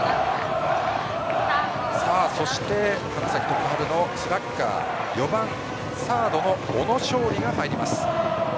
そして、花咲徳栄のスラッガー４番サードの小野勝利が入ります。